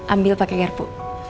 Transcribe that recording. ambil pake garpu